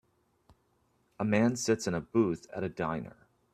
A man sits in a booth at a diner.